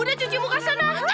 udah cuci bukasan mas